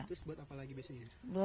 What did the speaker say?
terus buat apa lagi biasanya